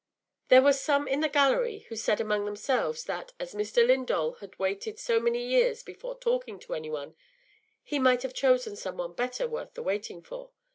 There were some in the gallery who said among themselves that, as Mr. Lindall had waited so many years before talking to any one, he might have chosen some one better worth the waiting for!